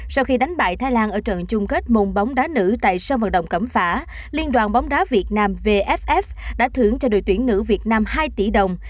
sau khi đánh bại thái lan ở trận chung kết môn bóng đá nữ tại sân vận động cẩm phả liên đoàn bóng đá việt nam vff đã thưởng cho đội tuyển nữ việt nam hai tỷ đồng